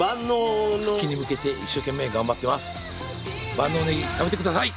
万能ねぎ食べて下さい！